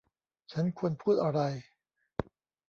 ฉันควรพูดอะไร